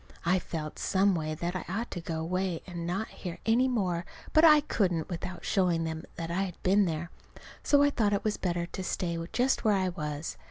I felt, some way, that I ought to go away and not hear any more; but I couldn't without showing them that I had been there. So I thought it was better to stay just where I was.